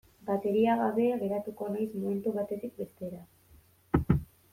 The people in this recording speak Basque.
Bateria gabe geratuko naiz momentu batetik bestera.